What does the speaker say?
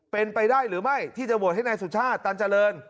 เป็นไปได้หรือไม่ที่จะโหวตให้นายสุชาติตันเจริญ